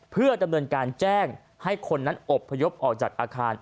เพื่อดำเนินการแจ้งให้คนนั้นอบพยพออกจากอาคาร